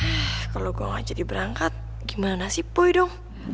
kalau gue gak jadi berangkat gimana sih boy dong